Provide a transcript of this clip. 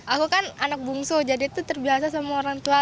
aku kan anak bungsu jadi itu terbiasa sama orang tua